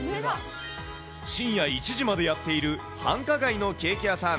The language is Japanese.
深夜１時までやっている繁華街のケーキ屋さん。